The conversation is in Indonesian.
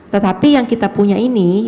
tetapi yang kita punya ini